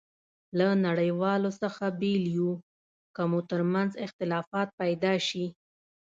له نړیوالو څخه بېل یو، که مو ترمنځ اختلافات پيدا شي.